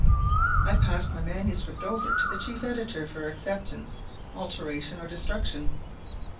"I passed my manuscript over to the chief editor for acceptance, alteration, or destruction.